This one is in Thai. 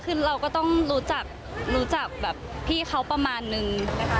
คือเราก็ต้องรู้จักพี่เขาประมาณนึง